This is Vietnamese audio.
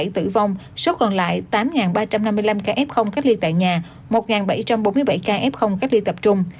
sáu trăm bảy mươi bảy tử vong số còn lại tám ba trăm năm mươi năm ca f cách ly tại nhà một bảy trăm bốn mươi bảy ca f cách ly tập trung